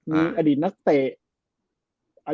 มีอดีตนักเตะ